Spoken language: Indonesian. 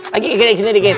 lagi dikit dikit